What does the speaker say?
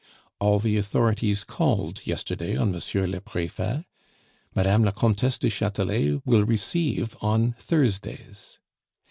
"All the authorities called yesterday on M. le Prefet. "Mme. la Comtesse du Chatelet will receive on Thursdays.